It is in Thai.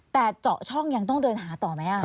แต่เจาะช่องยังต้องเดินหาต่อไหม